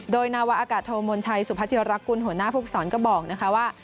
โดยนาวะอากาศโทมนชัยสุภาชิรกุลหัวหน้าภูมิสอนก็บอกนะคะว่า